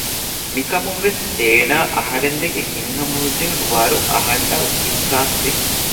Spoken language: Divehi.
މިކަމުން ވެސް އޭނާ އަހަރެން ދެކެ ހިތްހަމަނުޖެހުނު ވަރު އަހަންނަށް އިހުސާސްވި